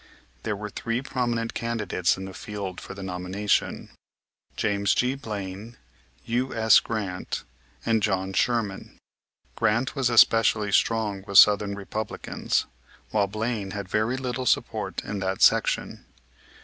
There were three prominent candidates in the field for the nomination, James G. Blaine, U.S. Grant, and John Sherman. Grant was especially strong with southern Republicans, while Blaine had very little support in that section.